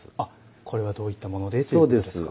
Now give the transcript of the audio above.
これはどういったものでということですか。